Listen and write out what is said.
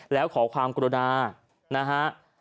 แล้วขอความกรุณานะฮะ